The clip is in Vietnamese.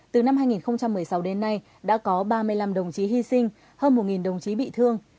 từ năm hai nghìn một mươi sáu đến nay đã có ba mươi năm đồng chí hy sinh hơn một đồng chí bị thương